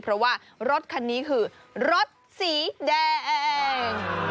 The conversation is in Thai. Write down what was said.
เพราะว่ารถคันนี้คือรถสีแดง